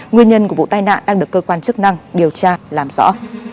nguyên nhân của vụ tai nạn đang được cơ quan chức năng điều tra làm rõ